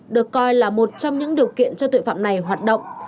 được coi là một trong những điều kiện cho tuyện phạm